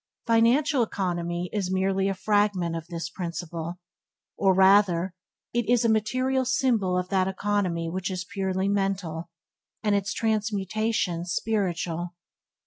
Financial economy is merely a fragment of this principle, or rather it is a material symbol of that economy which is purely mental, and its transmutations spiritual.